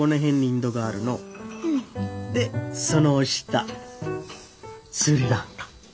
でその下スリランカ。